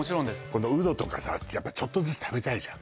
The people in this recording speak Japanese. このうどとかさやっぱちょっとずつ食べたいじゃん